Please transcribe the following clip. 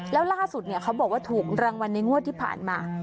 แล้วล่าสุดเขาบอกว่าถูกรางวัลในงวดที่ผ่านมา